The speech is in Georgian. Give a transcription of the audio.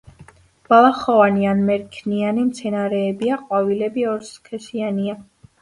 ბალახოვანი ან მერქნიანი მცენარეებია, ყვავილები ორსქესიანია.